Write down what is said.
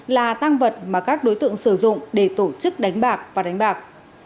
là tăng vật mà các đối tượng sử dụng để tổ chức đánh bạc và đánh bạc